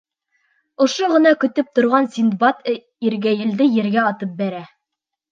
Ошоно ғына көтөп торған Синдбад иргәйелде ергә атып бәрә.